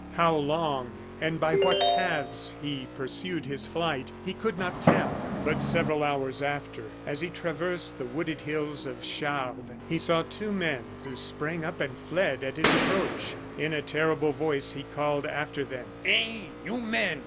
How long and by what paths he pursued his flight, he could not tell. But several hours after, as he traversed the wooded hills of Charves, he saw two men, who sprang up and fled at his approach. In a terrible voice, he called after them: "Eh! you men!